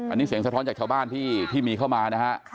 อันนี้เสียงสะท้อนจากชาวบ้านที่มีเข้ามานะฮะ